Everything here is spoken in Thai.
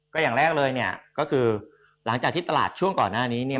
ก็อย่างแรกเลยเนี่ยก็คือหลังจากที่ตลาดช่วงก่อนหน้านี้